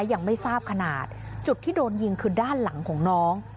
ยังไม่ทราบขนาดจุดที่โดนยิงคือด้านหลังของน้อง